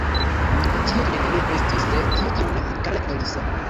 Tio tamen ne estis tio kion Carl volis.